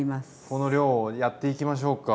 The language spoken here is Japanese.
この量をやっていきましょうか。